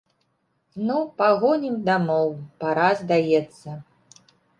Ну, пагонім дамоў, пара, здаецца.